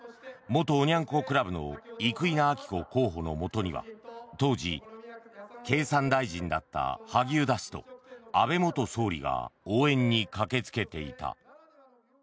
元おニャン子クラブの生稲晃子候補のもとには当時、経産大臣だった萩生田氏と安倍元総理が応援に駆けつけていた。